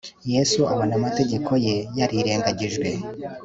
Yesu abona amategeko ye yarirengagijwe